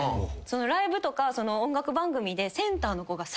ライブとか音楽番組で。